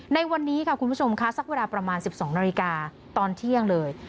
ในวันนี้ค่ะคุณผู้ชมค่ะสักเวลาประมาณ๑๒นาฬิกาตอนเที่ยงเลย